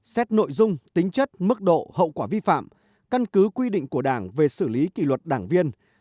xét nội dung tính chất mức độ hậu quả vi phạm căn cứ quy định của đảng về xử lý kỷ luật đảng viên